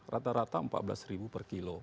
rata rata empat belas ribu per kilo